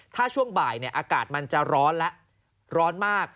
ถ้าช่วงบ่ายอากาศมันจะร้อนแล้วร้อนมาก